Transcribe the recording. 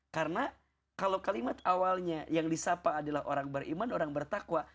karena kalau kalimat awalnya yang disapa adalah orang beriman orang bertakwa